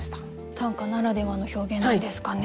短歌ならではの表現なんですかね。